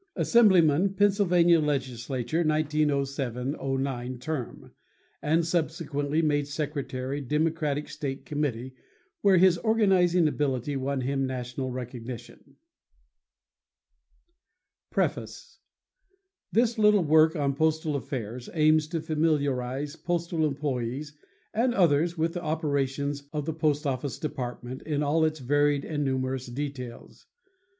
Assemblyman, Pennsylvania Legislature, 1907 09 term, and subsequently made Secretary Democratic State Committee, where his organizing ability won him national recognition. PREFACE This little work on postal affairs aims to familiarize postal employes and others with the operations of the Post Office Department in all its varied and numerous details.